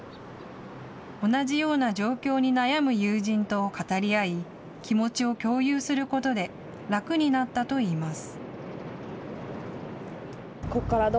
同じような状況に悩む友人と語り合い、気持ちを共有することで、楽になったといいます。